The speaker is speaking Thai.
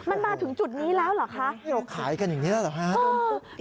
มันมาถึงจุดนี้แล้วเหรอคะที่เราขายกันอย่างนี้แล้วเหรอฮะ